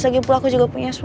lagipula aku juga punya suami